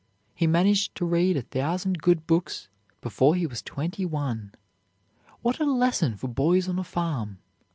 He managed to read a thousand good books before he was twenty one what a lesson for boys on a farm!